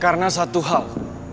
karena satu hal